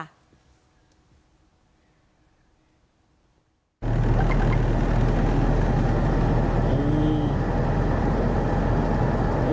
โอ้โห